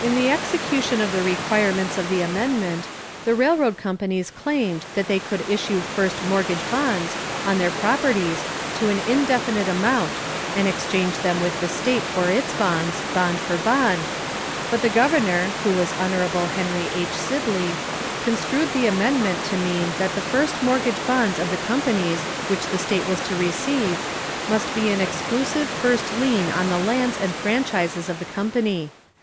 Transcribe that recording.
In the execution of the requirements of the amendment, the railroad companies claimed that they could issue first mortgage bonds on their properties to an indefinite amount and exchange them with the state for its bonds, bond for bond, but the governor, who was Hon. Henry H. Sibley, construed the amendment to mean that the first mortgage bonds of the companies which the state was to receive must be an exclusive first lien on the lands and franchises of the company.